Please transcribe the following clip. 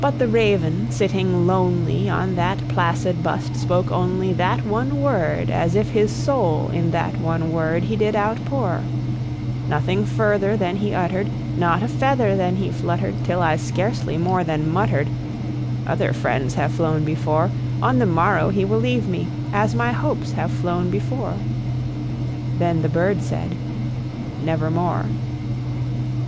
But the Raven, sitting lonely on that placid bust, spoke only That one word, as if his soul in that one word he did outpour; Nothing further then he uttered, not a feather then he fluttered, Till I scarcely more than muttered "Other friends have flown before, On the morrow he will leave me, as my hopes have flown before." Then the bird said, "Nevermore."